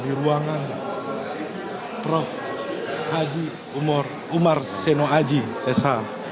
di ruangan prof haji umar seno aji sh